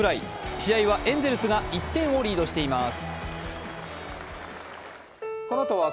試合はエンゼルスが１点をリードしています。